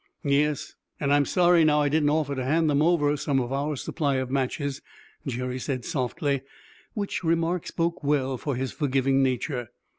"Yes; and I'm sorry now I didn't offer to hand them over some of our supply of matches," Jerry said softly, which remark spoke well for his forgiving nature.